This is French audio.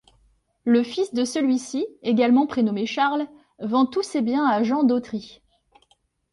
Le fils de celui-ci, également prénommé Charles, vend tous ses biens à Jean d'Autry.